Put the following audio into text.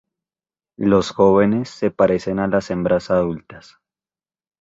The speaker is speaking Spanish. Los jóvenes se parecen a las hembras adultas.